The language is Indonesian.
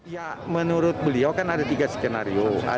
ya menurut beliau kan ada tiga skenario